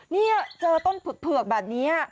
นี่เจอต้นเผือกแบบนี้